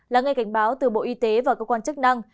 là ngay cảnh báo từ bộ y tế và cơ quan chức năng